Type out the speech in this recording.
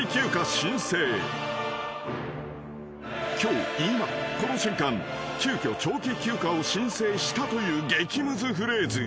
［今日今この瞬間急きょ長期休暇を申請したという激ムズフレーズ］